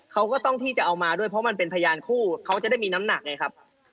เขาก็ต้องที่จะเอามาด้วยเพราะมันเป็นพยานคู่เขาจะได้มีน้ำหนักไงครับ